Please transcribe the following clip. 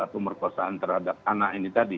pemerkosaan terhadap anak ini tadi